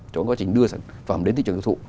cho những quá trình đưa sản phẩm đến thị trường dân thụ